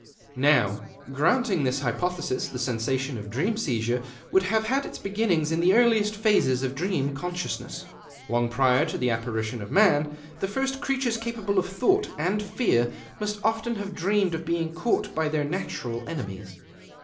Now, granting this hypothesis, the sensation of dream seizure would have had its beginnings in the earliest phases of dream consciousness, long prior to the apparition of man. The first creatures capable of thought and fear must often have dreamed of being caught by their natural enemies.